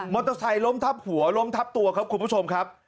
เตอร์ไซค์ล้มทับหัวล้มทับตัวครับคุณผู้ชมครับ